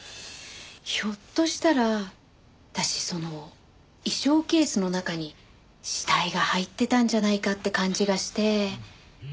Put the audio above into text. ひょっとしたら私その衣装ケースの中に死体が入ってたんじゃないかって感じがして。